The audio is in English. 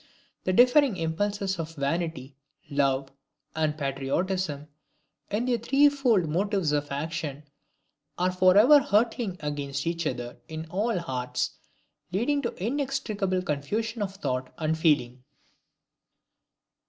The differing impulses of vanity, love, and patriotism, in their threefold motives of action, are forever hurtling against each other in all hearts, leading to inextricable confusion of thought and feeling.